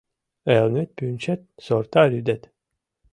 Элнет пӱнчет — сорта рӱдет